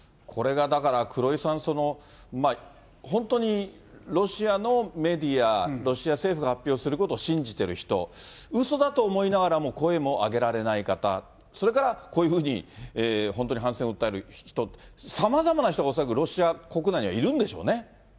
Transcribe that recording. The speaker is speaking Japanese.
これがだから、黒井さん、本当にロシアのメディア、ロシア政府が発表することを信じてる人、うそだと思いながらも、声も上げられない方、それからこういうふうに本当に反戦を訴える人、さまざまな人が恐らく、ロシア国内にはいるんでしょうね。